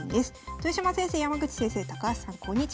「豊島先生山口先生高橋さんこんにちは。